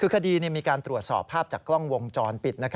คือคดีมีการตรวจสอบภาพจากกล้องวงจรปิด